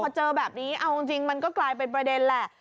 พอเจอแบบนี้เอาจริงมันก็กลายเป็นประเด็นแหละ